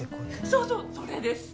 そうそうそれです。